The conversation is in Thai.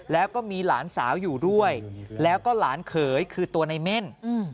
แล้วก็มีหลานสาวอยู่ด้วยแล้วก็หลานเขยคือตัวในเม่น